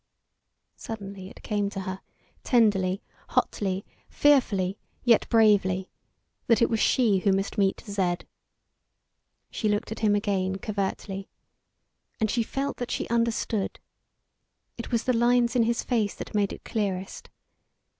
Suddenly it came to her tenderly, hotly, fearfully yet bravely, that it was she who must meet Z. She looked at him again, covertly. And she felt that she understood. It was the lines in his face made it clearest.